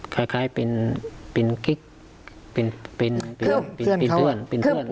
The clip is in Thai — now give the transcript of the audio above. คล้ายคล้ายเป็นเป็นเป็นเพื่อนเพื่อนเพื่อนเพื่อนเพื่อนเพื่อน